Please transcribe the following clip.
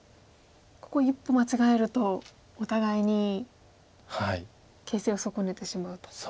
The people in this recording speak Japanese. ここ一歩間違えるとお互いに形勢を損ねてしまうと。